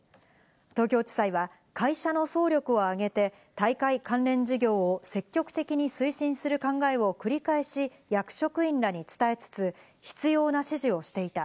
東京地裁は、会社の総力を挙げて大会関連事業を積極的に推進する考えを繰り返し、役職員らに伝えつつ、必要な指示をしていた。